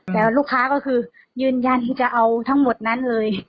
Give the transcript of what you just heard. แต่ลูกค้าก็คือยืนยันจะเอาทั้งหมดนั้นเลย